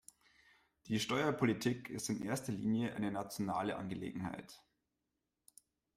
Die Steuerpolitik ist in erster Linie eine nationale Angelegenheit.